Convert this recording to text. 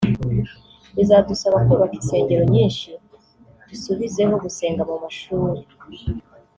Bizadusaba kubaka insengero nyinshi dusubizeho gusenga mu mashuri